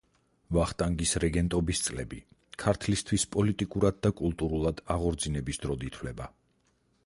ვახტანგის რეგენტობის წლები ქართლისთვის პოლიტიკურად და კულტურულად აღორძინების დროდ ითვლება.